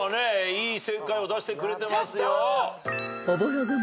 いい正解を出してくれてますよ。